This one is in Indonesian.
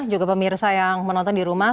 juga pemirsa yang menonton di rumah